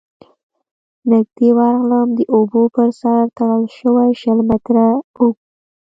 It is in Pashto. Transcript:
، نږدې ورغلم، د اوبو پر سر تړل شوی شل متره اوږد،